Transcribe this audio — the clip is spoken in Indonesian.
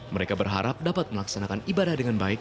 mereka berharap dapat melaksanakan ibadah dengan baik